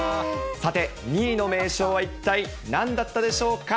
さて、２位の名称は一体なんだったでしょうか。